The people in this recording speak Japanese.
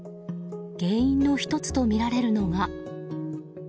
原因の１つとみられるのが。